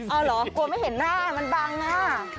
เอาเหรอกลัวไม่เห็นหน้ามันบังอ่ะ